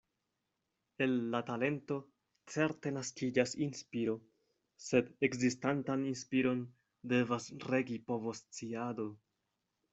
El la talento certe naskiĝas inspiro, sed ekzistantan inspiron devas regi povosciado.